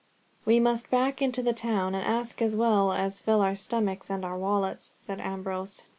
"We must back into the town and ask, as well as fill our stomachs and our wallets," said Ambrose.